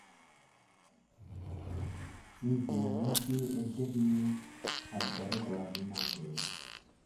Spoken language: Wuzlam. I viya anay di, azlehe yo adəɗargwa a ghay anaŋ age.